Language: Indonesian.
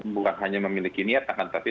bukan hanya memiliki niat tangan tapi